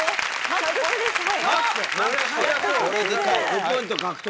５ポイント獲得。